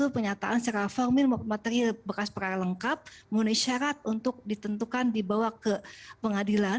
penyataan secara formil material bekas peralengkap menggunakan syarat untuk ditentukan dibawa ke pengadilan